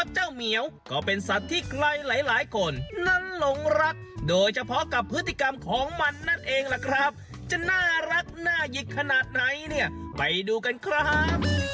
จะน่ารักน่าหยิกขนาดไหนเนี่ยไปดูกันครับ